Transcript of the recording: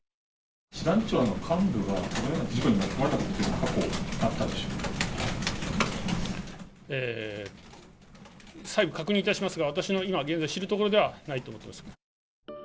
師団長という監部がこのような事故に巻き込まれたことというのは、過去、再度確認いたしますが、私の今現在、知るところでは、ないと思っています。